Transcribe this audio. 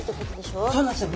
そうなんです。